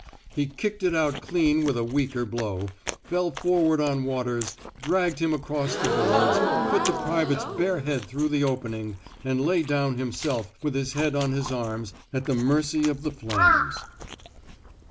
He kicked it out clean with a weaker blow, fell forward on Waters, dragged him across the boards, put the private's bare head through the opening, and lay down him self with his head on his arms, at the mercy of the flames.